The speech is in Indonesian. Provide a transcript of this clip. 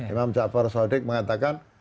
imam jaafar shadid mengatakan